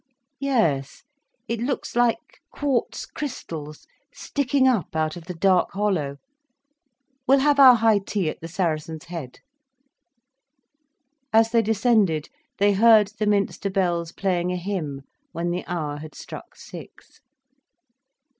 "Yes. It looks like quartz crystals sticking up out of the dark hollow. We'll have our high tea at the Saracen's Head." As they descended, they heard the Minster bells playing a hymn, when the hour had struck six.